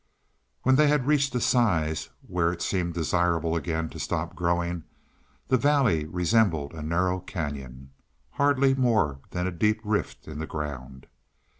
When they had reached a size where it seemed desirable again to stop growing the valley resembled a narrow cañon hardly more than a deep rift in the ground.